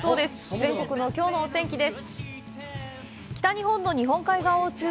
全国のきょうのお天気です。